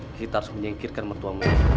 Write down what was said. kita harus menyingkirkan mertua mereka